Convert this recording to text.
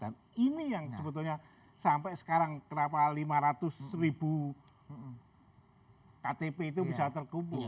dan ini yang sebetulnya sampai sekarang kenapa lima ratus ribu ktp itu bisa terkumpul